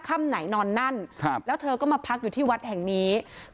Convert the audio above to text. ค่ำไหนนอนนั่นครับแล้วเธอก็มาพักอยู่ที่วัดแห่งนี้